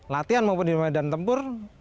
latihan maupun di medan tempur